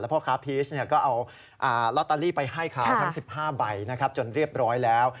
พ่อค้าพีชก็เอาลอตเตอรี่ไปให้เขาทั้ง๑๕ใบนะครับจนเรียบร้อยแล้ว